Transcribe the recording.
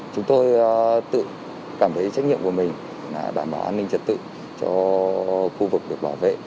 chúng tôi tự cảm thấy trách nhiệm của mình là đảm bảo an ninh trật tự cho khu vực được bảo vệ